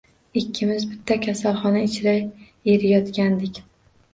Ikkimiz bitta kasalxona ichra eriyotgandik.